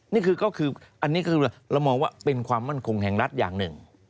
นี่คือก็คืออันนี้ก็คือเรามองว่าเป็นความมั่นคงแห่งรัฐอย่างหนึ่ง